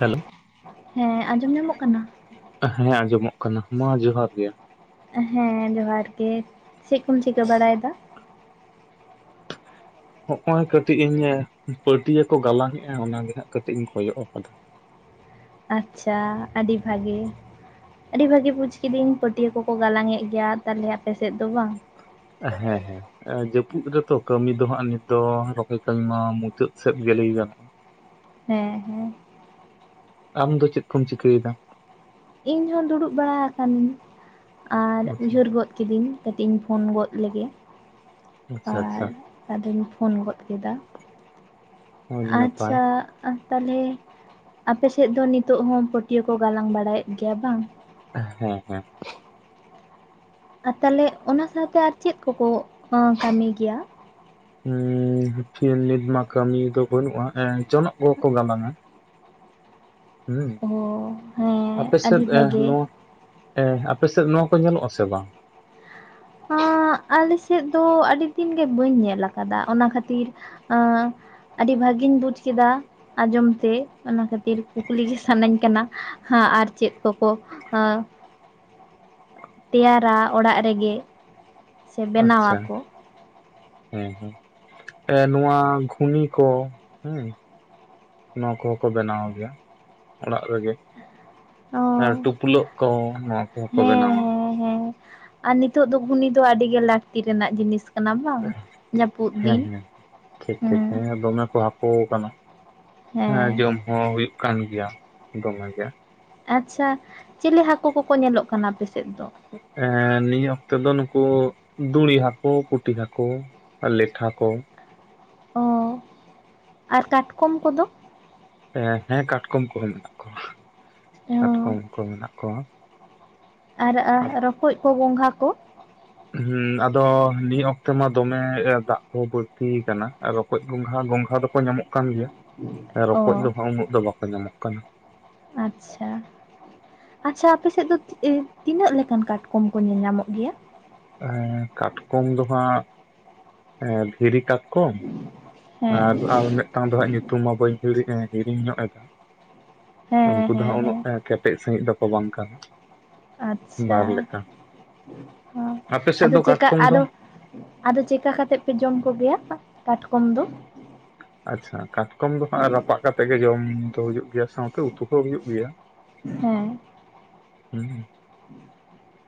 Hello ᱦᱮᱸ ᱟᱡᱚᱢ ᱧᱟᱢᱚᱜ ᱠᱟᱱᱟ ᱦᱮᱸ ᱟᱸᱡᱚᱢᱚᱜ ᱠᱟᱱᱟ ᱢᱟ ᱡᱚᱸᱦᱟᱨ ᱜᱮ ᱦᱮᱸ ᱡᱚᱦᱟᱨ ᱜᱮ ᱪᱮᱫ ᱠᱚᱢ ᱪᱤᱠᱟᱹ ᱵᱟᱲᱟᱭ ᱫᱟ? ᱦᱚᱜ ᱚᱭ ᱠᱟᱹᱴᱤᱡ ᱤᱧ ᱯᱟᱹᱴᱭᱟᱹ ᱠᱚ ᱜᱟᱞᱟᱝ ᱮᱫᱼᱟ ᱚᱱᱟᱜᱮ ᱦᱟᱜ ᱠᱟᱹᱴᱤᱡ ᱤᱧ ᱠᱚᱭᱚᱜ ᱟᱠᱟᱫᱟ ᱾ ᱟᱪᱪᱷᱟ ᱟᱹᱰᱤ ᱵᱷᱟᱜᱤ ᱟᱹᱰᱤ ᱵᱷᱟᱜᱤ ᱵᱩᱡ ᱠᱤᱫᱟᱹᱧ ᱯᱟᱹᱴᱭᱟᱹ ᱠᱚᱠᱚ ᱜᱟᱞᱟᱝ ᱮᱫ ᱜᱮᱭᱟ ᱛᱟᱦᱚᱞᱮ ᱟᱯᱮᱥᱮᱫ ᱫᱚ ᱵᱟᱝ ᱦᱮᱸ ᱦᱮᱸ ᱡᱟᱹᱯᱩᱫ ᱨᱮᱛᱚ ᱠᱟᱹᱢᱤ ᱫᱚ ᱦᱟᱸᱜ ᱱᱤᱛ ᱫᱚ ᱨᱚᱦᱚᱭ ᱠᱟᱹᱢᱤ ᱢᱟ ᱢᱩᱪᱟᱹᱫ ᱥᱮᱫ ᱜᱮ ᱞᱟᱹᱭ ᱜᱟᱱᱚᱜᱼᱟ ᱾ ᱦᱮᱸ ᱦᱮᱸ ᱟᱢ ᱫᱚ ᱪᱮᱫ ᱠᱚᱢ ᱪᱤᱠᱟᱹᱭ ᱫᱟ? ᱤᱧ ᱦᱚᱸ ᱫᱩᱲᱩᱵ ᱵᱟᱲᱟ ᱟᱠᱟᱱ ᱜᱤᱭᱟᱹᱧ ᱟᱨ ᱟᱪᱪᱷᱟ ᱩᱭᱦᱟᱹᱨ ᱜᱚᱫ ᱠᱤᱫᱟᱹᱧᱼᱼ ᱠᱟᱹᱴᱤᱡ ᱤᱧ ᱯᱷᱳᱱ ᱜᱚᱫ ᱞᱮᱜᱮ ᱾ ᱟᱪᱪᱷᱟ ᱟᱪᱪᱷᱟ ᱟᱫᱚᱧ ᱯᱷᱳᱱ ᱜᱚᱫ ᱠᱮᱫᱟ ᱟᱹᱰᱤ ᱱᱟᱯᱟᱭ ᱟᱪᱪᱷᱟᱼᱼ ᱟᱨ ᱛᱟᱦᱚᱞᱮ ᱟᱯᱮᱥᱮᱫ ᱫᱚ ᱱᱤᱛᱚᱜ ᱦᱚᱸ ᱯᱟᱹᱴᱭᱟᱹ ᱠᱚ ᱜᱟᱞᱟᱝ ᱵᱟᱲᱟᱭᱮᱫ ᱜᱮᱭᱟ ᱵᱟᱝ ᱦᱮᱸ ᱦᱮᱸ ᱟᱨ ᱛᱟᱦᱚᱞᱮ ᱚᱱᱟ ᱥᱟᱶᱛᱮ ᱟᱨ ᱪᱮᱫ ᱠᱚᱠᱚ ᱠᱟᱹᱢᱤ ᱜᱮᱭᱟ ᱩ ᱱᱤᱛ ᱢᱟ ᱠᱟᱹᱢᱤ ᱫᱚ ᱵᱟᱹᱱᱩᱜᱼᱟ ᱮ ᱡᱚᱱᱚᱜ ᱠᱚ ᱠᱚ ᱜᱟᱞᱟᱝᱼᱟ ᱚ ᱦᱮᱸ ᱟᱯᱮ ᱟᱹᱰᱤ ᱥᱮᱫ ᱵᱷᱟᱜᱮ ᱱᱚᱣᱟ ᱦᱮᱸ ᱟᱯᱮᱥᱮᱫ ᱱᱚᱣᱟ ᱠᱚ ᱧᱮᱞᱚᱜ ᱟᱥᱮ ᱵᱟᱝ ᱮᱫ ᱟᱞᱮ ᱥᱮᱫ ᱫᱚ ᱟᱹᱰᱤ ᱫᱤᱱ ᱜᱮ ᱵᱟᱹᱧ ᱧᱮᱞ ᱟᱠᱟᱫᱟ ᱚᱱᱟ ᱠᱷᱟᱹᱛᱤᱨ ᱟᱹᱰᱤ ᱵᱷᱟᱹᱜᱤᱧ ᱵᱩᱡ ᱠᱮᱫᱟ ᱟᱸᱡᱚᱢ ᱛᱮ ᱚᱱᱟ ᱠᱷᱟᱹᱛᱤᱨ ᱠᱩᱠᱞᱤ ᱜᱮ ᱥᱟᱱᱟᱧ ᱠᱟᱱᱟ ᱟᱨ ᱪᱮᱫ ᱠᱚᱠᱚ ᱟ ᱛᱮᱭᱟᱨᱟ ᱚᱲᱟᱜ ᱨᱮᱜᱮ ᱥᱮ ᱟᱪᱪᱷᱟ ᱵᱮᱱᱟᱣᱟᱠᱚ ᱦᱮᱸ ᱦᱮᱸ ᱮ ᱱᱚᱣᱟ ᱜᱷᱩᱱᱤ ᱠᱚ ᱦᱩᱸ᱾ ᱱᱚᱣᱟ ᱠᱚᱦᱚᱸ ᱠᱚ ᱵᱮᱱᱟᱣ ᱜᱮᱭᱟ ᱚᱲᱟᱜ ᱨᱮᱜᱮ᱾ ᱚ ᱟᱨ ᱴᱩᱯᱞᱟᱹᱜ ᱠᱚ ᱱᱚᱣᱟ ᱠᱚ ᱠᱚᱦᱚᱸ ᱦᱮᱸ ᱵᱮᱱᱟᱣᱟ ᱦᱮᱸ ᱦᱮᱸ ᱟᱨ ᱱᱤᱛᱚᱜ ᱫᱚ ᱜᱷᱩᱱᱤ ᱫᱚ ᱟᱹᱰᱤ ᱜᱮ ᱞᱟᱹᱠᱛᱤ ᱨᱮᱱᱟᱜ ᱡᱤᱱᱤᱥ ᱠᱟᱱᱟ᱾ ᱠᱟᱱᱟ ᱵᱟᱝ ᱡᱟᱹᱯᱩᱫ ᱦᱮᱸ ᱫᱤᱱ ᱦᱮᱸ ᱴᱷᱤᱠ ᱴᱷᱤᱠ ᱦᱮᱸ᱾ ᱫᱚᱢᱮ ᱠᱚ ᱦᱟᱠᱩ ᱟᱠᱟᱱᱟ ᱦᱮᱸ ᱡᱚᱢ ᱦᱚᱸ ᱦᱩᱭᱩᱜ ᱠᱟᱱ ᱜᱮᱭᱟ ᱫᱚᱢᱮ ᱜᱮ᱾ ᱟᱪᱪᱷᱟ ᱪᱤᱞᱤ ᱦᱟᱠᱳ ᱠᱚᱠᱚ ᱧᱮᱞᱚ ᱠᱟᱱᱟ ᱟᱯᱮᱥᱮᱫ ᱫᱚ? ᱮᱸ ᱱᱤᱭᱟᱹ ᱚᱠᱛᱚ ᱫᱚ ᱱᱩᱠᱩ ᱫᱩᱲᱤ ᱦᱟᱹᱠᱩ ᱯᱩᱴᱤ ᱦᱟᱹᱠᱩ᱾ ᱟᱨ ᱞᱮᱴᱷᱟ ᱠᱚ᱾ ᱚ ᱟᱨ ᱠᱟᱴᱠᱚᱢ ᱠᱚᱫᱚ ᱦᱮᱸ ᱠᱟᱴᱠᱚᱢ ᱠᱚᱦᱚᱸ ᱢᱮᱱᱟᱜ ᱠᱚᱣᱟ ᱚ ᱢᱮᱱᱟᱜ ᱠᱚ ᱢᱮᱱᱟᱜ ᱠᱚᱣᱟ᱾ ᱟᱨ ᱮᱸ ᱨᱚᱠᱚᱭ ᱠᱚ ᱜᱚᱸᱜᱷᱟ ᱠᱚ? ᱦᱮᱸ ᱟᱫᱚ ᱱᱤᱭᱟᱹ ᱚᱠᱛᱮ ᱢᱟ ᱫᱚᱢᱮ ᱫᱟᱜ ᱠᱚᱦ ᱵᱟᱹᱲᱛᱤ ᱟᱠᱟᱱᱟ ᱨᱚ ᱨᱚᱠᱚᱡ ᱜᱚᱝᱜᱷᱟ ᱜᱚᱝᱜᱷᱟ ᱫᱚᱠᱚ ᱧᱟᱢᱚᱜ ᱠᱟᱱ ᱜᱮᱭᱟ ᱚ ᱨᱚᱠᱚᱡ ᱫᱚ ᱦᱟᱸᱜ ᱩᱱᱟᱹᱜ ᱫᱚ ᱵᱟᱠᱚ ᱧᱟᱢᱚᱜ ᱠᱟᱱᱟ᱾ ᱟᱪᱪᱷᱟ᱾ ᱟᱪᱪᱷᱟ ᱟᱯᱮᱥᱮᱫ ᱫᱚ ᱛᱤᱱᱟᱹᱜ ᱞᱮᱠᱟᱱ ᱠᱟᱴᱠᱚᱢ ᱠᱚ ᱧᱮᱞ ᱧᱟᱢᱚᱜ ᱜᱮᱭᱟ᱾ ᱮᱸ ᱠᱟᱴᱠᱚᱢ ᱫᱚ ᱦᱟᱸᱜ ᱮᱸ ᱫᱷᱤᱨᱤ ᱠᱟᱴᱠᱚᱢ ᱟᱨ ᱦᱮᱸ ᱟᱨ ᱢᱤᱫᱴᱟᱝ ᱫᱚ ᱦᱟᱜ ᱧᱩᱛᱩᱢ ᱵᱟᱹᱧ ᱦᱤ ᱦᱤᱲᱤᱧ ᱧᱚᱜ ᱮᱫᱟ᱾ ᱦᱮᱸ ᱩᱱᱠᱩ ᱫᱚ ᱦᱮᱸ ᱦᱟᱸᱜ ᱦᱮᱸ ᱩᱱᱟᱹᱜ ᱠᱮᱴᱮᱡ ᱥᱟᱹᱦᱤᱡ ᱫᱚᱠᱚ ᱵᱟᱝ ᱠᱟᱱᱟ᱾ ᱟᱪᱪᱷᱟ ᱵᱟᱨ ᱞᱮᱠᱟ ᱟᱯᱮ ᱥᱮᱫ ᱟᱫᱚ ᱫᱚ ᱪᱮᱠᱟ ᱠᱟᱴᱠᱚᱢ ᱫᱚ ᱟᱫᱚ ᱟᱫᱚ ᱪᱮᱠᱟ ᱠᱟᱛᱮᱜ ᱯᱮ ᱡᱚᱢ ᱠᱚᱜᱮᱭᱟ ᱠᱟᱴᱠᱚᱢ ᱫᱚ? ᱟᱪᱪᱷᱟ ᱠᱟᱴᱠᱚᱢ ᱫᱚ ᱦᱟᱸᱜ ᱨᱟᱯᱟᱜ ᱠᱟᱛᱮᱜ ᱜᱮ ᱡᱚᱢ ᱫᱚ ᱦᱩᱭᱩᱜ ᱜᱮᱭᱟ ᱥᱟᱶᱛᱮ ᱩᱛᱩ ᱠᱚ ᱦᱚᱸ ᱦᱩᱭᱩᱜ ᱜᱮᱭᱟ᱾ ᱦᱮᱸ᱾ ᱦᱩᱸ᱾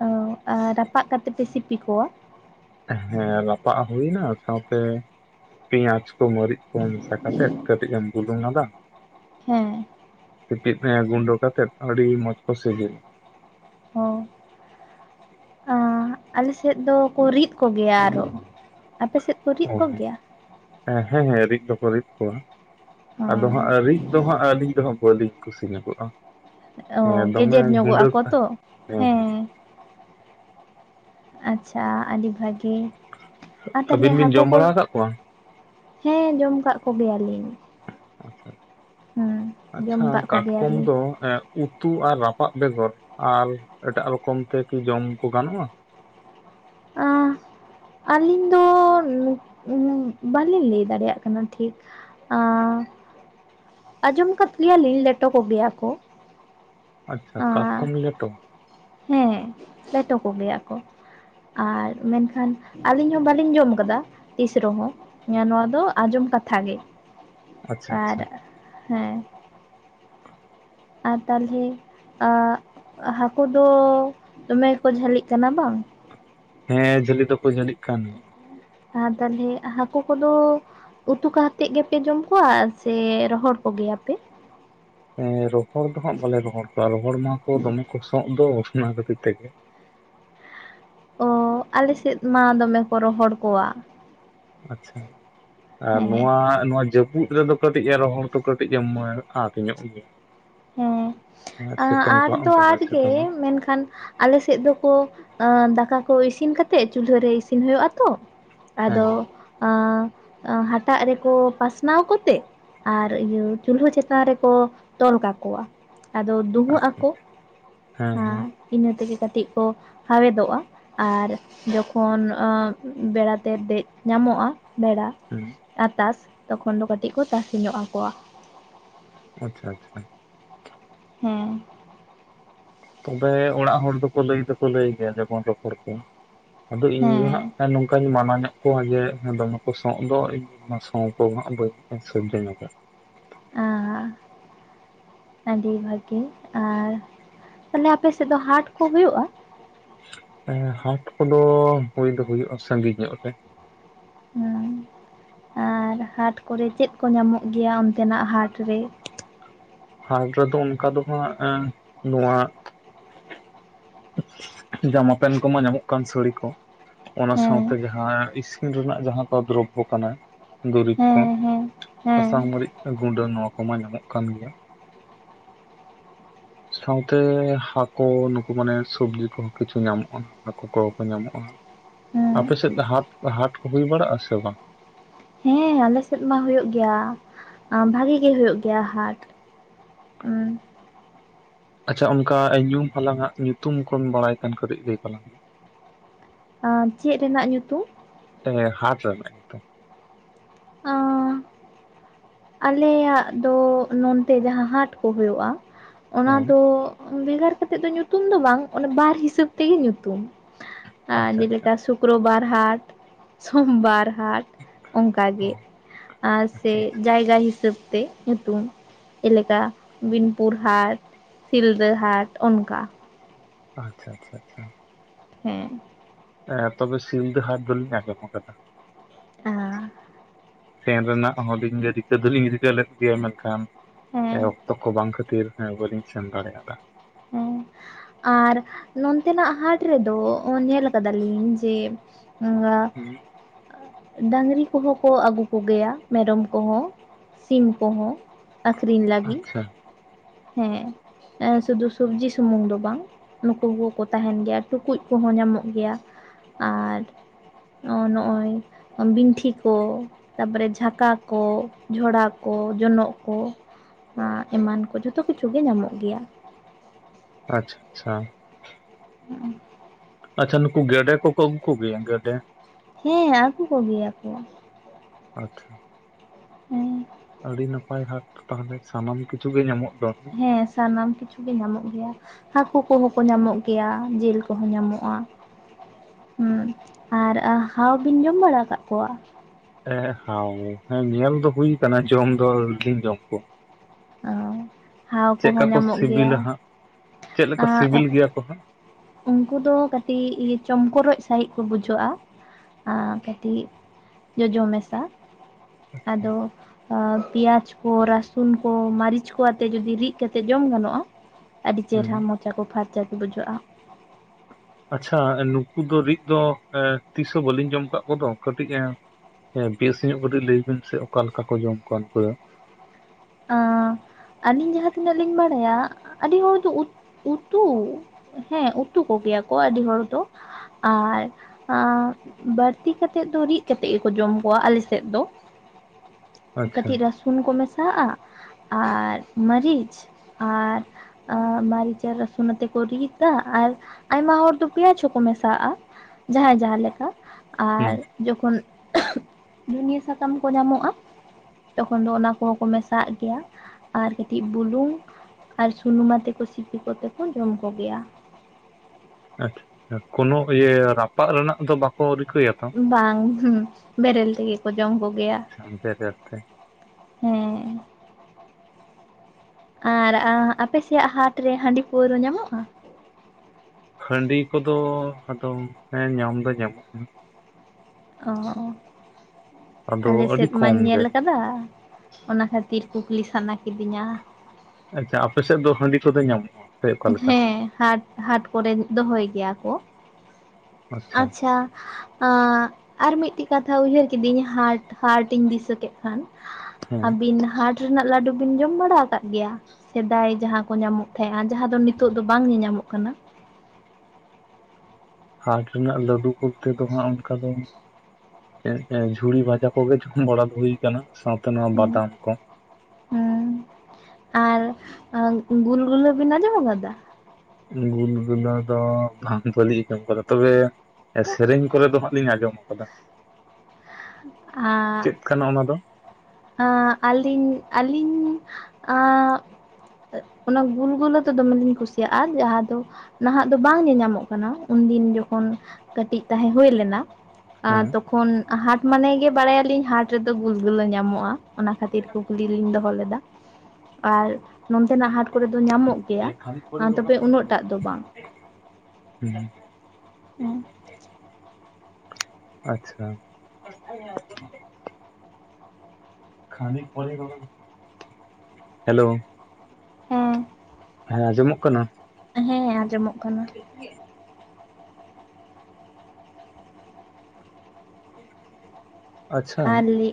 ᱚ ᱟᱨ ᱨᱟᱯᱟᱜ ᱠᱟᱛᱮ ᱯᱮ ᱥᱤᱯᱤ ᱠᱚᱣᱟ᱾ ᱦᱮᱸ ᱨᱟᱯᱟᱜ ᱦᱩᱭ ᱮᱱᱟ ᱥᱟᱶᱛᱮ ᱯᱮᱸᱭᱟᱡᱽ ᱠᱚ ᱢᱟᱹᱨᱤᱪ ᱠᱚ ᱢᱮᱥᱟ ᱠᱟᱛᱮᱜ ᱠᱟᱹᱴᱤᱡ ᱮᱢ ᱵᱩᱞᱩᱝ ᱟᱫᱟ ᱦᱮᱸ᱾ ᱥᱤᱯᱤ ᱜᱩᱸᱰᱟᱹ ᱠᱟᱛᱮ ᱟᱹᱰᱤ ᱢᱚᱡᱽ ᱠᱚ ᱥᱤᱵᱤᱞᱟ᱾ ᱚ ᱟᱞᱮ ᱥᱮᱫ ᱫᱚᱠᱚ ᱨᱤᱫ ᱠᱚᱜᱮᱭᱟ ᱟᱨᱚ ᱟᱯᱮ ᱥᱮᱫ ᱠᱚ ᱨᱤᱫ ᱚ ᱠᱚᱜᱮᱭᱟ? ᱦᱮᱸ ᱦᱮᱸ ᱦᱮᱸ ᱨᱤᱫ ᱫᱚᱠᱚ ᱨᱤᱫ ᱠᱚᱣᱟ᱾ ᱟᱫᱚ ᱦᱟᱸᱜ ᱨᱤᱫ ᱫᱚ ᱦᱟᱸᱜ ᱟᱹᱞᱤᱧ ᱫᱚ ᱦᱟᱜ ᱵᱟᱹᱞᱤᱧ ᱠᱩᱥᱤ ᱧᱚᱜᱚᱜᱼᱟ᱾ ᱚ ᱦᱮᱸ ᱫᱚᱢᱮ ᱜᱮᱡᱮᱨ ᱧᱚᱜᱚᱜ ᱜᱩᱰᱟᱹ ᱟᱠᱚ ᱛᱚ ᱦᱮᱸ ᱦᱮᱸ᱾ ᱟᱪᱪᱷᱟ ᱟᱹᱰᱤ ᱵᱷᱟᱹᱜᱤ᱾ ᱟᱨ ᱛᱟᱦᱚᱞᱮ ᱟᱹᱵᱤᱱ ᱵᱤᱱ ᱦᱟᱹᱠᱩ ᱡᱚᱢ ᱠᱚ ᱵᱟᱲᱟ ᱟᱠᱟᱫ ᱠᱚᱣᱟ? ᱦᱮᱸ ᱡᱚᱢ ᱠᱟᱜ ᱠᱚᱜᱮᱭᱟᱞᱤᱧ᱾ ᱦᱩᱸ ᱟᱪᱪᱷᱟ ᱡᱚᱢ ᱠᱟᱜ ᱠᱟᱴᱠᱚᱢ ᱠᱚᱜᱮᱭᱟᱞᱤᱧ ᱫᱚ ᱮᱸ ᱾ ᱩᱛᱩ ᱟᱨ ᱨᱟᱯᱟᱜ ᱵᱮᱜᱚᱨ ᱟᱨ ᱮᱴᱟᱜ ᱨᱚᱠᱚᱢ ᱛᱮᱠᱤ ᱡᱚᱢ ᱠᱚ ᱜᱟᱱᱚᱜᱼᱟ? ᱟᱸ ᱟᱹᱞᱤᱧ ᱫᱚ ᱵᱟᱹᱞᱤᱧ ᱞᱟᱹᱭ ᱫᱟᱲᱤᱭᱟᱜ ᱠᱟᱱᱟ ᱴᱷᱤᱠ᱾ ᱟᱸᱡᱚᱢ ᱠᱟᱫ ᱜᱮᱭᱟ ᱞᱤᱧ ᱞᱮᱴᱚ ᱠᱚᱜᱮᱭᱟ ᱠᱚ? ᱟᱪᱷᱟ ᱟᱸ ᱠᱟᱴᱠᱚᱢ ᱞᱮᱴᱚ᱾ ᱦᱮᱸ ᱞᱮᱴᱚ ᱠᱚᱜᱮᱭᱟ ᱠᱚ ᱟᱨ ᱢᱮᱱᱠᱷᱟᱱ ᱟᱹᱞᱤᱧ ᱦᱚᱸ ᱵᱟᱹᱞᱤᱧ ᱡᱚᱢ ᱟᱠᱟᱫᱟ ᱛᱤᱥ ᱨᱮᱦᱚᱸ ᱱᱚᱣᱟ ᱫᱚ ᱟᱸᱡᱚᱢ ᱠᱟᱛᱷᱟ ᱜᱮ ᱟᱪᱪᱷᱟ ᱟᱨ ᱟᱪᱪᱷᱟ ᱦᱮᱸ ᱟᱨ ᱛᱟᱦᱚᱞᱮ ᱦᱟᱹᱠᱩ ᱫᱚ ᱫᱚᱢᱮ ᱠᱚ ᱡᱷᱟᱹᱞᱤᱜ ᱠᱟᱱᱟ ᱵᱟᱝ? ᱦᱮᱸ ᱡᱷᱟᱹᱞᱤ ᱫᱚᱠᱚ ᱡᱷᱟᱹᱞᱤᱜ ᱠᱟᱱ ᱜᱮᱭᱟ᱾ ᱦᱟ ᱛᱟᱦᱞᱮ ᱦᱟᱹᱠᱩ ᱠᱚᱫᱚ ᱩᱛᱩ ᱠᱟᱛᱮᱫ ᱜᱮᱯᱮ ᱡᱚᱢ ᱠᱚᱣᱟ ᱥᱮ ᱨᱚᱦᱚᱲ ᱠᱚᱜᱮᱭᱟᱯᱮ? ᱦᱮᱸ ᱨᱚᱦᱚᱲ ᱫᱚ ᱦᱟᱸᱟᱜ ᱵᱟᱞᱮ ᱨᱚᱦᱚᱲ ᱠᱚᱣᱟ ᱨᱚᱦᱚᱲ ᱢᱟᱠᱚ ᱫᱚᱢᱮ ᱠᱚ ᱥᱚᱜ ᱫᱚ ᱩᱚᱥᱱᱟ ᱠᱷᱟᱹᱛᱤᱨ ᱛᱮᱜᱮ, ᱟᱞᱮᱥᱮᱫ ᱢᱟ ᱫᱚᱢᱮ ᱠᱚ ᱨᱚᱦᱚᱲ ᱠᱚᱣᱟ᱾ ᱟᱪᱷᱟ ᱟᱨ ᱦᱮᱸ ᱱᱚᱣᱟ ᱱᱚᱣᱟ ᱡᱟᱹᱯᱩᱫ ᱨᱮᱫᱚ, ᱠᱟᱹᱴᱤᱡ ᱮ ᱨᱚᱦᱚᱲᱴᱚᱩ ᱠᱟᱹᱴᱤᱡ ᱮ ᱢᱟ [unintelligible] ᱲ ᱧᱚᱜ ᱜᱮᱭᱟ ᱦᱮᱸ ᱥᱤᱛᱩᱝ ᱠᱚ ᱟᱴᱚ ᱦᱟᱸᱜ ᱫᱚ ᱚᱱᱠᱟ ᱵᱟᱭ ᱟᱴᱚ ᱜᱮ ᱥᱤᱛᱩᱝᱟ ᱢᱮᱱᱠᱷᱟᱱ ᱟᱞᱮᱥᱮᱫ ᱫᱚᱠᱚ ᱫᱟᱠᱟ ᱠᱚ ᱤᱥᱤᱱ ᱠᱟᱛᱮᱫ ᱪᱩᱞᱦᱟᱹ ᱨᱮ ᱤᱥᱤᱱ ᱦᱩᱭᱩᱜ ᱟ ᱛᱚ ᱦᱮᱸ ᱦᱮᱸ ᱟᱫᱚ ᱟ ᱦᱟᱴᱟᱜ ᱨᱮᱠᱚ ᱯᱟᱥᱱᱟᱣ ᱠᱟᱛᱮᱜ, ᱟᱨ ᱤᱭᱟᱹ ᱪᱩᱞᱦᱟᱹ ᱪᱮᱛᱟᱱ ᱨᱮᱠᱚ ᱛᱚᱞ ᱠᱟᱠᱚᱣᱟ᱾ ᱟᱫᱚ ᱫᱩᱸᱦᱟᱹᱜ ᱟᱪᱪᱷᱟ ᱟᱠᱚ ᱟᱪᱪᱷᱟ ᱦᱮᱸ ᱦᱮᱸ ᱟᱨ ᱤᱱᱟᱹ ᱛᱮᱜᱮ ᱠᱟᱹᱴᱤᱡ ᱠᱚ ᱦᱟᱣᱮᱫᱚᱜᱼᱟ᱾ ᱟᱨ ᱡᱚᱠᱷᱚᱱ ᱵᱮᱲᱟᱛᱮ ᱫᱮᱡ ᱧᱟᱢᱚᱜᱼᱟ᱾ ᱵᱮᱲᱟ ᱦᱮᱸ ᱟᱨᱛᱟᱥ ᱛᱚᱠᱷᱚᱱ ᱫᱚ ᱠᱟᱹᱴᱤᱡ ᱠᱚ ᱛᱟᱥᱮ ᱧᱚᱜ ᱟᱠᱚᱣᱟ᱾ ᱟᱪᱷᱟ ᱟᱪᱷᱟ᱾ ᱦᱮᱸ᱾ ᱛᱚᱵᱮ ᱚᱲᱟᱜ ᱦᱚᱲ ᱫᱚᱠᱚ ᱞᱟᱹᱭ ᱫᱚᱠᱚ ᱞᱟᱹᱭ ᱜᱮᱭᱟ ᱡᱮᱢᱚᱱ ᱨᱚᱯᱚᱲ ᱠᱚ᱾ ᱟᱫᱚ ᱤᱧ ᱫᱚ ᱦᱮᱸ ᱦᱟᱸᱜ ᱱᱚᱝᱠᱟᱧ ᱢᱟᱱᱟᱣ ᱧᱚᱜ ᱟᱠᱚᱣᱟᱜ ᱡᱮ ᱫᱚ ᱠᱚ ᱥᱚ ᱫᱚ ᱤᱧ ᱚᱱᱟ ᱥᱚ ᱠᱚᱜ ᱵᱟᱹᱧᱥᱚᱡᱳ ᱧᱚᱜᱟ ᱾ [unintelligible] ᱟᱹᱰᱤ ᱵᱷᱟᱜᱮ ᱟᱨ, ᱛᱟᱦᱟᱞᱮ ᱟᱯᱮ ᱥᱮᱫ ᱫᱚ ᱦᱟᱴ ᱠᱚ ᱦᱩᱭᱩᱜᱼᱟ‍? ᱦᱟᱴ ᱠᱚᱫᱚ ᱦᱳᱭ ᱫᱚ ᱦᱳᱭᱳᱜᱼᱟ ᱥᱟᱺᱜᱤᱧ ᱧᱚᱜ ᱨᱮ᱾ ᱦᱮᱸ ᱟᱨ ᱦᱟᱴ ᱠᱚᱨᱮ ᱪᱮᱫ ᱠᱚ ᱧᱟᱢᱚᱜ ᱜᱮᱭᱟ ᱚᱱᱛᱮᱱᱟᱜ ᱦᱟᱴ ᱨᱮ? ᱦᱟᱴ ᱨᱮ ᱫᱚ ᱚᱱᱠᱟ ᱫᱚ ᱦᱟᱸᱜ ᱱᱚᱣᱟ ᱡᱟᱢᱟ ᱯᱮᱱᱴ ᱠᱚᱢᱟ ᱧᱟᱢᱚᱜ ᱠᱟᱱ ᱥᱟᱹᱲᱤ ᱠᱚ, ᱚᱱᱟ ᱥᱟᱶᱛᱮ ᱦᱮᱸ ᱡᱟᱦᱟᱸ ᱤᱥᱤᱱ ᱨᱮᱱᱟᱜ ᱡᱟᱦᱟᱸ ᱠᱚ ᱫᱨᱚᱵᱚ ᱠᱟᱱᱟ ᱫᱩᱨᱤᱵᱽ ᱠᱚ ᱦᱮᱸ ᱦᱮᱸ ᱦᱮᱸ ᱥᱟᱥᱟᱝ ᱢᱟᱺᱨᱤᱡ ᱜᱩᱸᱰᱟᱹ ᱱᱚᱣᱟ ᱠᱚᱢᱟ ᱧᱟᱢᱚᱜ ᱠᱟᱱ ᱜᱮᱭᱟ᱾ ᱥᱟᱶᱛᱮ ᱦᱟᱠᱳ ᱱᱩᱠᱩ ᱢᱟᱱᱮ ᱥᱚᱵᱽᱡᱤ ᱠᱚᱦᱚᱸ ᱠᱤᱪᱷᱩ ᱧᱟᱢᱚᱜᱼᱟ ᱦᱟᱠᱳ ᱠᱚᱦᱚᱸ ᱠᱚ ᱧᱟᱢᱚᱜᱼᱟ᱾ ᱦᱮᱸ ᱟᱯᱮᱥᱮᱫ ᱦᱟ ᱦᱟᱴ ᱠᱚ ᱦᱩᱭ ᱵᱟᱲᱟᱜ ᱟ ᱥᱮ ᱵᱟᱝ? ᱦᱮᱸ ᱟᱞᱮᱥᱮᱫ ᱢᱟ ᱦᱳᱭᱳᱜ ᱜᱮᱭᱟ, ᱵᱷᱟᱜᱤ ᱜᱮ ᱦᱳᱭᱳᱜ ᱜᱮᱭᱟ ᱦᱟᱴ᱾ [unintelligible] ᱟᱪᱷᱟ ᱚᱱᱠᱟ ᱧᱩᱢ ᱦᱟᱞᱟᱝᱟᱜ ᱧᱩᱛᱩᱢ ᱠᱚᱢ ᱵᱟᱲᱟᱭ ᱠᱟᱱ ᱠᱟᱹᱴᱤᱡ ᱞᱮ ᱭ ᱛᱟᱞᱟᱝ ᱢᱮ᱾ ᱪᱮᱫ ᱨᱮᱱᱟᱜ ᱧᱩᱛᱩᱢ? ᱦᱟᱴ ᱨᱮᱟᱱᱟᱜ᱾ ᱟᱞᱮᱭᱟᱜ ᱫᱚ ᱱᱚᱱᱛᱮ ᱡᱟᱦᱟᱸ ᱦᱟᱴ ᱠᱚ ᱦᱩᱭᱩᱜᱼᱟ᱾ ᱚᱱᱟ ᱦᱮᱸ ᱫᱚ, ᱵᱷᱮᱜᱟᱨ ᱠᱟᱛᱮᱫ ᱫᱚ ᱧᱩᱛᱩᱢ ᱫᱚ ᱵᱟᱝ ᱚᱱᱟ ᱵᱟᱨ ᱦᱤᱥᱟᱹᱵ ᱛᱮᱜᱮ ᱧᱩᱛᱩᱢ᱾ ᱟᱪᱪᱷᱟ ᱟᱪᱪᱷᱟ ᱡᱮᱞᱮᱠᱟ ᱥᱩᱠᱨᱚᱵᱟᱨ ᱦᱟᱴ, ᱥᱳᱚᱢᱵᱟᱨ ᱦᱟᱴ᱾ ᱚᱱᱠᱟ ᱚ ᱜᱮ ᱟᱨ ᱥᱮ᱾ ᱟᱪᱪᱷᱟ ᱟᱪᱪᱷᱟ ᱡᱟᱭᱜᱟ ᱦᱤᱥᱟᱹᱵ ᱛᱮ ᱧᱩᱛᱩᱢ ᱡᱮᱞᱮᱠᱟ ᱵᱤᱱᱯᱩᱨ ᱦᱟᱴ, ᱥᱤᱞᱫᱟᱹ ᱦᱟᱴ ᱚᱱᱠᱟ᱾ ᱟᱪᱪᱷᱟ ᱟᱪᱪᱷᱟ ᱟᱪᱪᱷᱟ ᱦᱮᱸ ᱦᱮᱸ ᱛᱚᱵᱮ ᱥᱤᱞᱫᱟᱹ ᱦᱟᱴ ᱫᱚᱞᱤᱧ ᱟᱡᱚᱢ ᱟᱠᱟᱫᱟ᱾ ᱦᱚᱸ ᱥᱮᱱ ᱨᱮᱱᱟᱜ ᱦᱚᱸᱞᱤᱧ ᱨᱤᱠᱟᱹ ᱫᱚᱞᱤᱧ ᱨᱤᱠᱟᱹ ᱞᱮᱫ ᱜᱮᱭᱟ ᱢᱮᱱᱠᱷᱟᱱ ᱮᱸ ᱦᱮᱸ ᱚᱠᱛᱚ ᱠᱚ ᱵᱟᱝ ᱠᱷᱟᱹᱛᱤᱨ ᱮ ᱵᱟᱹᱞᱤᱧ ᱥᱮᱱ ᱫᱟᱲᱮᱭᱟᱫᱟ᱾ ᱦᱮᱸ ᱟᱨ ᱱᱚᱱᱛᱮᱱᱟᱜ ᱦᱟᱴ ᱨᱮᱫᱚ ᱧᱮᱞ ᱟᱠᱟᱫᱟᱞᱤᱧ ᱡᱮ ᱟᱸ [inaudible] ᱰᱟᱝᱨᱤ ᱠᱚᱦᱚᱸ ᱠᱚ ᱟᱹᱜᱩ ᱠᱚᱜᱮᱭᱟ ᱢᱮᱨᱚᱢ ᱠᱚᱦᱚᱸ᱾ ᱥᱤᱢ ᱠᱚᱦᱚᱸ ᱟᱠᱷᱨᱤᱧ ᱞᱟᱹᱜᱤ᱾ ᱟᱪᱪᱷᱟ ᱦᱮᱸ ᱮᱸ ᱥᱩᱫᱩ ᱥᱚᱵᱽᱡᱤ ᱥᱩᱢᱩᱝ ᱫᱚ ᱵᱟᱝ᱾ ᱱᱩᱠᱩ ᱠᱚᱠᱚ ᱛᱟᱦᱮᱱ ᱜᱮᱭᱟ ᱴᱩᱠᱩᱡ ᱠᱚᱦᱚᱸ ᱧᱟᱢᱚᱜ ᱜᱮᱭᱟ ᱟᱨ ᱚ ᱱᱚᱜᱼᱚᱭ ᱵᱤᱱᱴᱷᱤ ᱠᱚ ᱛᱟᱯᱚᱨᱮ ᱡᱷᱟᱠᱟ ᱠᱚ ᱡᱷᱚᱲᱟ ᱠᱚ ᱡᱚᱱᱚᱜ ᱠᱚ ᱮᱸ ᱮᱢᱟᱱ ᱠᱚ ᱡᱷᱚᱛ ᱛᱚ ᱠᱤᱪᱷᱩ ᱜᱮ ᱧᱟᱢᱚᱜ ᱜᱮᱭᱟ᱾ ᱟᱪᱪᱷᱟ ᱪᱷᱟ᱾ ᱦᱩᱸ ᱟᱪᱪᱷᱟ ᱱᱩᱠᱩ ᱜᱮᱰᱮ ᱠᱚᱠᱚ ᱟᱹᱜᱩ ᱠᱚᱜᱮᱭᱟ ᱜᱮᱰᱮ? ᱦᱮᱸ ᱟᱜᱩ ᱠᱚᱜᱮᱭᱟᱠᱚ᱾ ᱟᱪᱪᱷᱟ᱾ ᱦᱮᱸ ᱟᱹᱰᱤ ᱱᱟᱯᱟᱭ ᱦᱟᱴ ᱛᱟᱦᱞᱮ ᱥᱟᱱᱟᱢ ᱠᱤᱪᱷᱩ ᱜᱮ ᱧᱟᱢᱚᱜ ᱫᱚ᱾ ᱦᱮᱸ ᱥᱟᱱᱟᱢ ᱠᱤᱪᱷᱩ ᱜᱮ ᱧᱟᱢᱚᱜ ᱜᱮᱭᱟ᱾ ᱦᱟᱹᱠᱩ ᱠᱚᱦᱚᱸ ᱠᱚ ᱧᱟᱢᱚᱜ ᱜᱮᱭᱟ, ᱡᱮᱞ ᱠᱚᱦᱚᱸ ᱧᱟᱢᱚᱜᱼᱟ᱾ ᱦᱩᱸ ᱟᱨ ᱟ ᱦᱟᱣ ᱵᱤᱱ ᱡᱚᱢ ᱵᱟᱲᱟ ᱟᱠᱟᱜ ᱠᱚᱣᱟ? ᱮ ᱦᱟᱣ ᱦᱮᱸ ᱧᱮᱞ ᱫᱚ ᱦᱩᱭ ᱟᱠᱟᱱᱟ, ᱡᱚᱢ ᱫᱚ ᱜᱷᱤᱠ ᱡᱚᱢ ᱠᱚᱣᱟ᱾ ᱦᱟᱣ ᱪᱮᱜᱠᱟ ᱠᱚᱦᱚᱸ ᱠᱚ ᱧᱟᱢᱚᱜ ᱥᱤᱵᱤᱞᱟ ᱜᱮᱭᱟ ᱦᱟᱸᱜ ᱪᱮᱫ ᱞᱮᱠᱟ ᱥᱤᱵᱤᱞ ᱜᱮᱭᱟ ᱠᱚ ᱦᱟᱸᱜ? ᱩᱱᱠᱩ ᱫᱚ ᱠᱟᱹᱴᱤᱡ ᱤᱭᱟᱹ ᱪᱚᱢᱠᱚᱨᱚᱡ ᱥᱟᱦᱤᱡ ᱠᱚ ᱵᱩᱡᱷᱟᱹᱜᱼᱟ ᱟᱻ ᱠᱟᱹᱴᱤᱡ᱾ ᱡᱚᱡᱚ ᱢᱮᱥᱟ ᱟᱫᱚ ᱟᱸ ᱯᱮᱸᱭᱟᱪ ᱠᱚ ᱨᱟᱥᱩᱱ ᱠᱚ ᱢᱟᱨᱤᱪ ᱠᱚ ᱟᱛᱮᱜ ᱡᱩᱫᱤ ᱨᱤᱜ ᱠᱟᱛᱮ ᱡᱚᱢ ᱜᱟᱱᱚᱜᱼᱟ᱾ ᱟᱹᱰᱤ ᱦᱩᱸ ᱪᱮᱨᱦᱟ ᱢᱚᱪᱟ ᱠᱚ ᱯᱷᱟᱨᱪᱟ ᱜᱮ ᱵᱩᱡᱷᱟᱹᱜᱼᱟ᱾ ᱟᱪᱪᱷᱟ ᱱᱩᱠᱩ ᱫᱚ ᱨᱤᱜ ᱫᱚ ᱮᱸ ᱛᱤᱥ ᱦᱚᱸ ᱵᱟᱹᱞᱤᱧ ᱡᱚᱢ ᱠᱟᱜ ᱠᱚᱫᱚ ᱠᱟᱹᱴᱤᱡ ᱮᱸ ᱦᱮᱸ ᱵᱮᱥ ᱧᱚᱜ ᱠᱟᱹᱴᱤᱡ ᱞᱟᱹᱭ ᱵᱤᱱ ᱥᱮ ᱚᱠᱟ ᱞᱮᱠᱟ ᱠᱚ ᱡᱚᱢ ᱠᱚᱣᱟ ᱩᱱᱠᱩ ᱫᱚ? ᱟᱸᱻ ᱟᱞᱤᱧ ᱡᱟᱦᱟᱸ ᱛᱤᱱᱟᱹᱜ ᱞᱤᱧ ᱵᱟᱲᱟᱭᱟ ᱟᱰᱤ ᱦᱚᱲ ᱫᱚ ᱩ ᱩᱛᱩ ᱦᱮᱸ ᱩᱛᱩ ᱠᱚᱜᱮᱭᱟᱠᱚ ᱟᱰᱤ ᱦᱚᱲ ᱫᱚ ᱟᱨ ᱟᱸᱻ ᱵᱟᱲᱛᱤ ᱠᱟᱛᱮᱫ ᱫᱚ ᱨᱤᱜ ᱠᱟᱛᱮᱜ ᱜᱮᱠᱚ ᱡᱚᱢ ᱠᱚᱣᱟ ᱟᱞᱮ ᱥᱮᱫ ᱫᱚ᱾ [unintelligible] ᱠᱟᱹᱴᱤᱡ ᱨᱟᱹᱥᱩᱱ ᱠᱚ ᱢᱮᱥᱟ ᱟᱜᱼᱟ ᱟᱨ ᱢᱟᱹᱨᱤᱪ ᱟᱨ ᱟᱸᱻ ᱢᱟᱹᱨᱤᱪ ᱟᱨ ᱨᱟᱹᱥᱩᱱ ᱟᱛᱮ ᱠᱚ ᱨᱤᱫᱟ ᱟᱨ ᱟᱭᱢᱟ ᱦᱚᱲ ᱫᱚ ᱯᱮᱸᱭᱟᱪ ᱦᱚᱸᱠᱚ ᱢᱮᱥᱟ ᱟᱜᱼᱟ᱾ ᱡᱟᱦᱟᱸᱭ ᱡᱟᱦᱟᱸ ᱞᱮᱠᱟ ᱟᱨ ᱦᱩᱸ ᱡᱚᱠᱷᱚᱱ ᱫᱷᱩᱱᱤᱭᱟᱹ ᱥᱟᱠᱟᱢ ᱠᱚ ᱧᱟᱢᱚᱜᱼᱟ ᱛᱚᱠᱷᱚᱱ ᱫᱚ ᱚᱱᱟ ᱠᱚᱦᱚᱸ ᱠᱚ ᱢᱮᱥ ᱛᱟᱜ ᱜᱮᱭᱟ ᱟᱨ ᱠᱟᱹᱴᱤᱡ ᱵᱩᱞᱩᱝ ᱟᱨ ᱥᱩᱱᱩᱢ ᱟᱛᱮᱠᱚ ᱥᱤᱯᱤ ᱠᱚᱛᱮ ᱠᱚ ᱡᱚᱢ ᱠᱚᱜᱮᱭᱟ᱾ ᱟᱪᱪᱷᱟ ᱠᱳᱱᱳ ᱤᱭᱟᱹ ᱨᱟᱯᱟᱜ ᱨᱮᱱᱟᱜ ᱫᱚ ᱵᱟᱠᱚ ᱨᱤᱠᱟᱹᱭᱟ? ᱛᱚ ᱵᱟᱝ ᱦᱩᱸ ᱵᱮᱨᱮᱞ ᱛᱮᱜᱮ ᱠᱚ ᱡᱚᱢ ᱠᱚᱜᱮᱭᱟ᱾ ᱦᱟᱱᱛᱮ ᱱᱟᱛᱮ ᱦᱮᱸ ᱟᱨ ᱟ ᱟᱯᱮ ᱥᱮᱭᱟᱜ ᱦᱟᱴ ᱨᱮ ᱦᱟᱺᱰᱤ ᱯᱟᱹᱣᱨᱟᱹ ᱧᱟᱢᱚᱜᱼᱟ? ᱦᱟᱺᱰᱤ ᱠᱚᱫᱚ ᱟᱫᱚᱢ ᱦᱮ ᱧᱟᱢ ᱫᱚ ᱧᱟᱢᱚᱜ ᱠᱟᱱᱟ᱾ ᱚ ᱚ ᱟᱫᱚ ᱟᱞᱮ ᱟᱹᱰᱤ ᱥᱮᱫ ᱢᱟᱧ ᱠᱚᱢ ᱧᱮᱞ ᱜᱮ ᱟᱠᱟᱫᱟ ᱚᱱᱟ ᱠᱷᱟᱹᱛᱤᱨ ᱠᱩᱠᱞᱤ ᱥᱟᱱᱟ ᱠᱤᱫᱤᱧᱟ᱾ ᱟᱪᱪᱷᱟ ᱟᱯᱮ ᱥᱮᱫ ᱫᱚ ᱦᱟᱺᱰᱤ ᱠᱚᱫᱚ ᱧᱟᱢᱚᱜ-ᱟ᱾ ᱦᱮᱸ ᱦᱟᱴ ᱦᱟᱴ ᱠᱚᱨᱮ ᱫᱚᱦᱚᱭ ᱜᱮᱭᱟ ᱠᱚ ᱟᱪᱪᱷᱟ ᱟᱸ ᱟᱨ ᱢᱤᱫᱴᱤᱡ ᱠᱟᱛᱷᱟ ᱩᱭᱦᱟᱹᱨ ᱠᱤᱫᱤᱧ ᱦᱟᱴ ᱦᱟᱴ ᱤᱧ ᱫᱤᱥᱟᱹ ᱠᱮᱫ ᱠᱷᱟᱱ ᱦᱮᱸ ᱟᱹᱵᱤᱱ ᱦᱟᱴ ᱨᱮᱱᱟᱜ ᱞᱟᱹᱰᱩ ᱵᱤᱱ ᱡᱚᱢ ᱵᱟᱲᱟ ᱟᱠᱟᱫ ᱜᱮᱭᱟ? ᱥᱮᱫᱟᱭ ᱡᱟᱦᱟᱸ ᱠᱚ ᱧᱟᱢᱚᱜ ᱛᱟᱦᱮᱸᱜ-ᱟ ᱡᱟᱦᱟᱸ ᱫᱚ ᱱᱤᱛᱚᱜ ᱫᱚ ᱵᱟᱝ ᱧᱮᱧᱟᱢᱚᱜ ᱠᱟᱱᱟ᱾ ᱦᱟᱴ ᱨᱮᱱᱟᱜ ᱞᱟᱹᱰᱩ ᱠᱚᱛᱮ ᱫᱚ ᱦᱟᱸᱜ ᱚᱱᱠᱟ ᱫᱚ ᱮᱸ ᱮᱸ ᱡᱷᱩᱲᱤ ᱵᱷᱟᱡᱟ ᱠᱚᱜᱮ ᱡᱚᱢ ᱵᱟᱲᱟ ᱫᱚ ᱦᱩᱭ ᱠᱟᱱᱟ ᱥᱟᱶᱛᱮ ᱱᱚᱣᱟ ᱵᱟᱫᱟᱢ ᱠᱚ᱾ ᱦᱚᱸ ᱟᱨ ᱟᱸ ᱜᱩᱞ ᱜᱩᱞᱟᱹ ᱵᱤᱱ ᱟᱸᱡᱚᱢ ᱟᱠᱟᱫᱟ? ᱜᱩᱞ ᱜᱩᱞᱟᱹ ᱫᱚ ᱟᱫᱚ ᱚᱦᱚᱸ ᱵᱟᱹᱞᱤᱧ ᱟᱸᱡᱚᱢ ᱠᱟᱫᱟ ᱛᱚᱵᱮ ᱮ ᱥᱮᱨᱮᱧ ᱠᱚᱨᱮ ᱫᱚ ᱦᱟᱸᱜ ᱞᱤᱧ ᱟᱸᱡᱚᱢ ᱟᱠᱟᱫᱟ᱾ ᱟᱸᱜ ᱪᱮᱫ ᱠᱟᱱᱟ ᱚᱱᱟ ᱫᱚ ᱟᱸᱜ ᱟᱞᱤᱧ ᱟᱞᱤᱧ ᱟᱸᱜ ᱚᱱᱟ ᱜᱩᱞ ᱜᱩᱞᱟᱹ ᱫᱚ ᱫᱚᱢᱮ ᱞᱤᱧ ᱠᱩᱥᱤᱭᱟᱜ-ᱟ ᱡᱟᱦᱟᱸ ᱫᱚ ᱱᱟᱦᱟᱜ ᱫᱚ ᱵᱟᱝ ᱧᱮᱧᱟᱢᱚᱜ ᱠᱟᱱᱟ ᱩᱱᱫᱤᱱ ᱡᱚᱠᱷᱚᱱ ᱠᱟᱹᱴᱤᱡ ᱛᱟᱦᱮᱸ ᱦᱩᱭ ᱞᱮᱱᱟ᱾ ᱟᱨ ᱦᱮᱸ ᱛᱚᱠᱷᱚᱱ ᱦᱟᱴ ᱢᱟᱱᱮ ᱜᱮ ᱵᱟᱲᱟᱭᱟᱞᱤᱧ ᱦᱟᱴ ᱨᱮᱫᱚ ᱜᱩᱞ ᱜᱩᱞᱟᱹ ᱧᱟᱢᱚᱜ-ᱟ᱾ ᱚᱱᱟ ᱠᱷᱟᱹᱛᱤᱨ ᱠᱩᱠᱞᱤ ᱞᱤᱧ ᱫᱚᱦᱚ ᱞᱮᱫᱟ ᱟᱨ ᱱᱚᱱᱛᱮᱱᱟᱜ ᱦᱟᱴ ᱠᱚᱨᱮ ᱫᱚ ᱧᱟᱢᱚᱜ ᱜᱮᱭᱟ ᱟᱸ ᱛᱚᱵᱮ ᱩᱱᱟᱹᱜ ᱴᱟᱜ ᱫᱚ ᱵᱟᱝ [unintelligible] [unintelligible] ᱟᱪᱪᱷᱟ [unintelligible] ᱠᱷᱟᱱᱤᱡ ᱯᱚᱨᱮ ᱜᱚᱞᱟᱢ ᱦᱮᱞᱳ ᱦᱚᱸ ᱦᱮᱸ ᱟᱸᱡᱚᱢᱚᱜ ᱠᱟᱱᱟ ᱦᱮᱸ ᱟᱸᱡᱚᱢᱚᱜ ᱠᱟᱱᱟ [unintelligible] ᱟᱪᱪᱷᱟ ᱟᱨ ᱞᱟᱹᱭ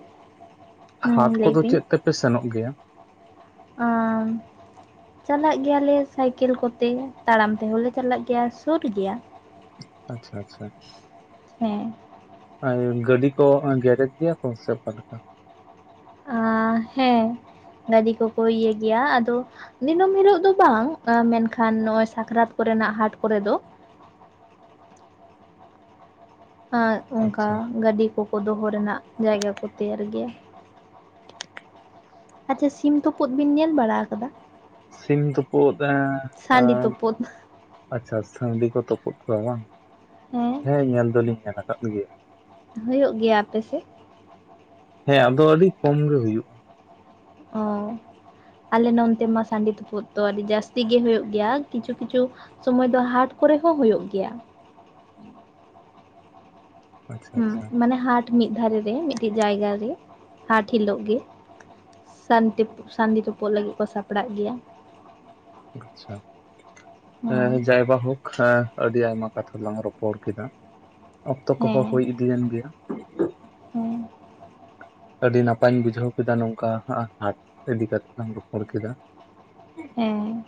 ᱦᱮᱸ ᱦᱟᱴ ᱞᱟᱹᱭ ᱠᱚᱫᱚ ᱵᱤᱱ ᱪᱮᱫ ᱛᱮᱯᱮ ᱥᱮᱱᱚᱜ ᱜᱮᱭᱟ? ᱟᱸᱻ ᱪᱟᱞᱟᱜ ᱜᱮᱭᱟᱞᱮ ᱥᱟᱭᱠᱮᱞ ᱠᱚᱛᱮ ᱛᱟᱲᱟᱢ ᱛᱮᱦᱚᱸ ᱞᱮ ᱪᱟᱞᱟᱜ ᱜᱮᱭᱟ ᱥᱩᱨ ᱜᱮᱭᱟ᱾ ᱟᱪᱪᱷᱟ ᱟᱪᱪᱷᱟ ᱦᱮᱸ ᱮᱸ ᱜᱟᱹᱰᱤ ᱠᱚ ᱜᱮᱨᱮᱡᱽ ᱜᱮᱭᱟ ᱠᱚ ᱥᱮ ᱚᱠᱟ ᱞᱮᱠᱟ? ᱟᱸᱻ ᱦᱮᱸ ᱜᱟᱹᱰᱤ ᱠᱚᱠᱚ ᱤᱭᱟᱹᱭ ᱜᱮᱭᱟ ᱟᱫᱚ ᱫᱤᱱᱟᱹᱢ ᱦᱤᱞᱳᱜ ᱫᱚ ᱵᱟᱝ-ᱟ ᱢᱮᱱᱠᱷᱟᱱ ᱱᱚᱜ-ᱚᱭ ᱥᱟᱠᱨᱟᱛ ᱠᱚᱨᱮᱱᱟᱜ ᱦᱟᱴ ᱠᱚᱨᱮ ᱫᱚ ᱟᱨ ᱚᱱᱠᱟ ᱟᱪᱪᱷᱟ ᱜᱟᱹᱰᱤ ᱠᱚᱠᱚ ᱫᱚᱦᱚ ᱨᱮᱱᱟᱜ ᱡᱟᱭᱜᱟ ᱠᱚ ᱛᱮᱭᱟᱨ ᱜᱮᱭᱟ᱾ ᱟᱪᱪᱷᱟ ᱥᱤᱢ ᱛᱩᱯᱩᱫ ᱵᱤᱱ ᱧᱮᱞ ᱵᱟᱲᱟ ᱠᱟᱫᱟ? ᱥᱤᱢ ᱛᱩᱯᱩᱫ ᱮᱸ ᱟ ᱥᱟᱺᱰᱤ ᱛᱩᱯᱩᱫ ᱟᱪᱪᱷᱟ ᱥᱟᱺᱰᱤ ᱠᱚ ᱛᱩᱯᱩᱫ ᱠᱚᱣᱟ ᱵᱟᱝ ᱦᱮᱸ ᱧᱮᱞ ᱫᱚᱞᱤᱧ ᱧᱮᱞ ᱟᱠᱟᱫ ᱠᱚ ᱜᱮᱭᱟ᱾ ᱦᱩᱭᱩᱜ ᱜᱮᱭᱟ ᱟᱯᱮ ᱥᱮᱜ? ᱦᱮᱸ ᱟᱫᱚ ᱟᱹᱰᱤ ᱠᱚᱢ ᱜᱮ ᱦᱩᱭᱩᱜ-ᱟ᱾ ᱚ ᱟᱞᱮ ᱱᱚᱱᱛᱮ ᱢᱟ ᱥᱟᱺᱰᱤ ᱛᱩᱯᱩᱫ ᱫᱚ ᱟᱹᱰᱤ ᱡᱟᱹᱥᱛᱤ ᱜᱮ ᱦᱩᱭᱩᱜ ᱜᱮᱭᱟ ᱠᱤᱪᱷᱩ ᱠᱤᱪᱷᱩ ᱥᱚᱢᱚᱭ ᱫᱚ ᱦᱟᱴ ᱠᱚᱨᱮ ᱦᱚᱸ ᱦᱩᱭᱩᱜ ᱜᱮᱭᱟ᱾ ᱟᱪᱪᱷᱟ ᱦᱩᱸ ᱟᱪᱪᱷᱟ ᱢᱟᱱᱮ ᱦᱟᱴ ᱢᱤᱫ ᱫᱷᱟᱨᱮ ᱨᱮ ᱢᱤᱜᱴᱤᱡ ᱡᱟᱭᱜᱟ ᱨᱮ ᱦᱟᱴ ᱦᱤᱞᱳᱜ ᱜᱮ ᱥᱟᱱᱛᱤ ᱯᱩᱜ ᱥᱟᱱᱰᱤ ᱛᱩᱯᱩᱜ ᱞᱟᱹᱜᱤᱫ ᱠᱚ ᱥᱟᱯᱲᱟᱜ ᱜᱮᱭᱟ᱾ ᱟᱪᱪᱷᱟ ᱦᱮᱸ ᱡᱟᱭ ᱵᱟ ᱦᱳᱠ᱾ ᱦᱮᱸ ᱟᱹᱰᱤ ᱟᱭᱢᱟ ᱠᱟᱛᱷᱟ ᱞᱟᱝ ᱨᱚᱯᱚᱲ ᱠᱮᱫᱟ ᱚᱠᱛᱚ ᱠᱚᱦᱚᱸ ᱦᱩᱭ ᱤᱫᱤᱭᱮᱱ ᱜᱮᱭᱟ᱾ ᱦᱩᱸ᱾ ᱟᱹᱰᱤ ᱱᱟᱯᱟᱭ ᱤᱧ ᱵᱩᱡᱷᱟᱹᱣ ᱠᱮᱫᱟ ᱱᱚᱝᱠᱟ ᱟ-ᱦᱟᱴ ᱤᱫᱤ ᱠᱟᱛᱮᱜ ᱞᱟᱝ ᱨᱚᱯᱚᱲ ᱠᱮᱫᱟ᱾ ᱦᱮᱸ᱾